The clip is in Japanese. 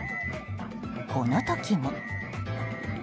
この時も。